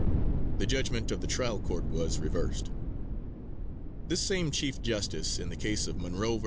The judgment of the trial court was reversed. This same Chief Justice, in the case of Monroe vs.